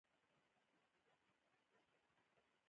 ټکله می درته کړې ،یعنی میلمه می يی